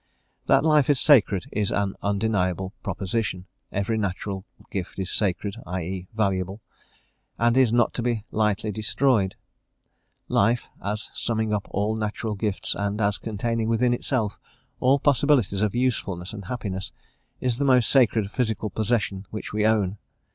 That life is sacred is an undeniable proposition; every natural gift is sacred, i e., is valuable, and is not to be lightly destroyed; life, as summing up all natural gifts, and as containing within itself all possibilities of usefulness and happiness, is the most sacred physical possession which we own.